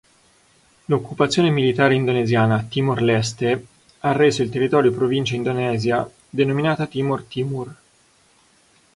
L'occupazione militare indonesiana a Timor-Leste ha reso il territorio provincia Indonesia, denominata "Timor Timur".